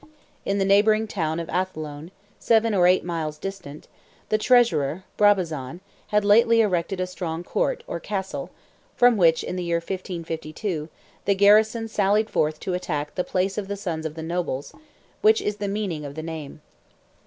In the neighbouring town of Athlone—seven or eight miles distant—the Treasurer, Brabazon, had lately erected a strong "Court" or Castle, from which, in the year 1552, the garrison sallied forth to attack "the place of the sons of the nobles,"—which is the meaning of the name.